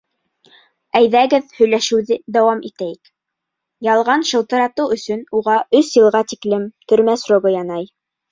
Әйҙәгеҙ, һөйләшеүҙе дауам итәйек. Ялған шылтыратыу өсөн уға өс йылға тиклем төрмә срогы янай.